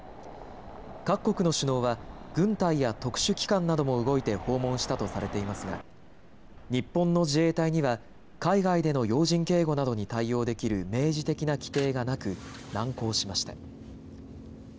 各国の首脳は軍隊や特殊機関なども動いて訪問したとされていますが日本の自衛隊には海外での要人警護などに対応できる明示的な規定がなく難航しました。